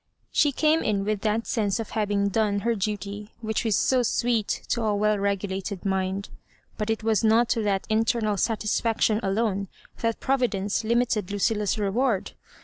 She came In with that sense of having done her duty which is so sweet to a well regulated mind. But it was not to that internal satisfao tion alone that Providence limited LudUa's re ward.